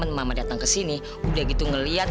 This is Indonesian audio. lama lagi ya